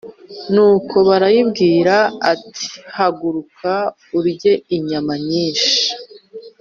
Nuko barayibwira bati haguruka urye inyama nyinshi